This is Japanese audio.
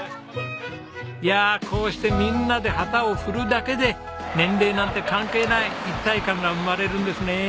いやこうしてみんなで旗を振るだけで年齢なんて関係ない一体感が生まれるんですね。